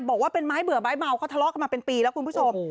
บอกว่าเป็นไม้เบื่อไม้เมาเขาทะเลาะกันมาเป็นปีแล้วคุณผู้ชม